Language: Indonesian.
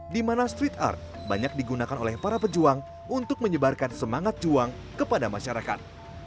di mana street art banyak digunakan oleh para pejuang untuk menyebarkan semangat juang kepada masyarakat